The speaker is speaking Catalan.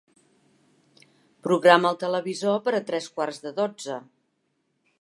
Programa el televisor per a tres quarts de dotze.